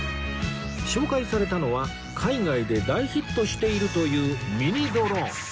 紹介されたのは海外で大ヒットしているというミニドローン